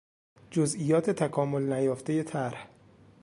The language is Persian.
جزئیات تکامل نیافتهی طرح